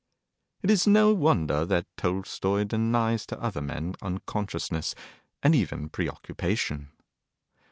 It is no wonder that Tolstoi denies to other men unconsciousness, and even preoccupation.